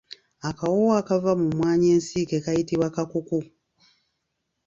Akawoowo akava mu mwanyi ensiike kayitibwa kakuku.